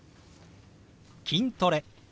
「筋トレ」。